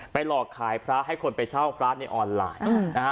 หลอกขายพระให้คนไปเช่าพระในออนไลน์นะฮะ